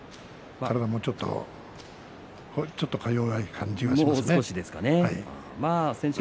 体もちょっとか弱い感じがしますね。